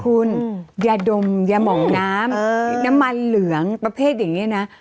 คุณยาดมยามองน้ำน้ำมันเหลืองประเภทอย่างนี้นะ